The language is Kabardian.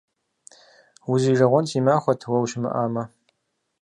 Узижэгъуэн си махуэт уэ ущымыӀамэ.